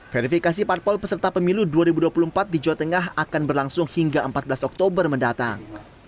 verifikasi parpol peserta pemilu dua ribu dua puluh empat di jawa tengah akan berlangsung hingga empat belas oktober mendatang